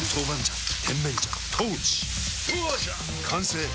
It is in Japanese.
完成！